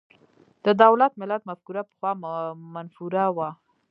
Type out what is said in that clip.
د دولت–ملت مفکوره پخوا منفوره وه.